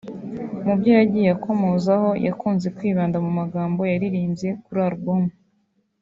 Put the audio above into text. Mu byo yagiye akomozaho yakunze kwibanda mu magambo yaririmbye kuri album